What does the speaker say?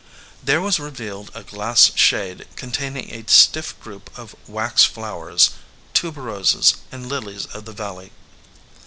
There was revealed a glass shade containing a stiff group of wax flowers tuberoses and lilies of the valley.